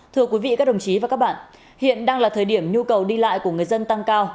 thưa quý vị các đồng chí và các bạn hiện đang là thời điểm nhu cầu đi lại của người dân tăng cao